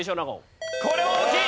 これは大きい！